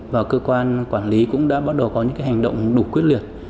và cơ quan quản lý cũng đã bắt đầu có những hành động đủ quyết liệt